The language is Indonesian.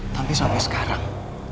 tapi sampai sekarang